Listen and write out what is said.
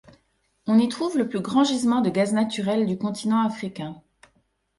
On y trouve le plus grand gisement de gaz naturel du continent africain.